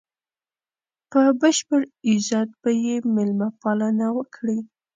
په بشپړ عزت به یې مېلمه پالنه وکړي.